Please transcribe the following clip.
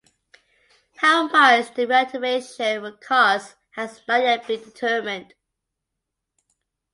How much the reactivation would cost has not yet been determined.